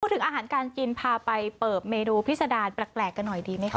พูดถึงอาหารการกินพาไปเปิบเมนูพิสดาแปลกกันหน่อยดีไหมครับ